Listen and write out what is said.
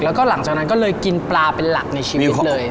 แล้วก็หลังจากนั้นก็เลยกินปลาเป็นหลักในชีวิตเลย